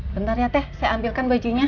bentar ya teh saya ambilkan bajunya